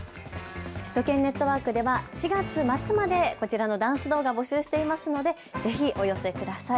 首都圏ネットワークでは４月末までこちらのダンス動画募集していますのでぜひ、お寄せください。